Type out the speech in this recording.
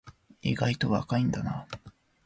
意外と若いんだな